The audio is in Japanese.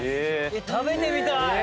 食べてみたい。